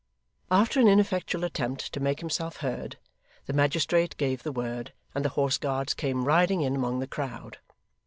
After an ineffectual attempt to make himself heard, the magistrate gave the word and the Horse Guards came riding in among the crowd.